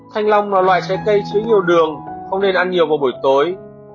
thanh long là loại trái cây chứa nhiều đường không nên ăn nhiều vào buổi tối